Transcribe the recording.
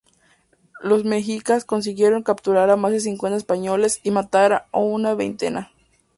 Los mexicas consiguieron capturar a más de cincuenta españoles, y matar a una veintena.